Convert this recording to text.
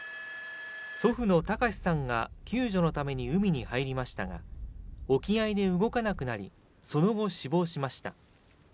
祖父の隆さんが救助のために海に入りましたが、沖合で動かなくなり、その後、死亡しました。